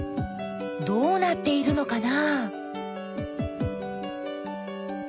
どうなっているのかな？